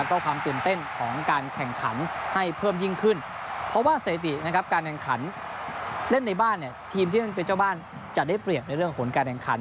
ทีมที่เป็นเจ้าบ้านจะได้เปรียบในเรื่องของการแบ่งขัน